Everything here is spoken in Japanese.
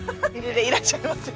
いらっしゃいませ。